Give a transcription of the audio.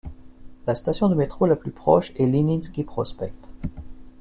La station de métro la plus proche est Leninski Prospekt.